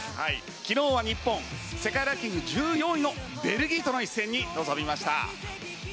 昨日は日本世界ランキング１４位のベルギーとの一戦に臨みました。